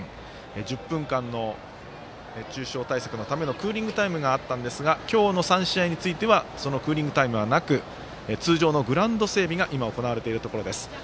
１０分間の熱中症対策のクーリングタイムがあったんですが今日の３試合についてはそのクーリングタイムはなく通常のグラウンド整備が行われているところです。